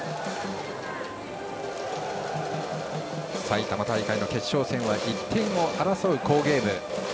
埼玉大会の決勝戦は１点を争う好ゲーム。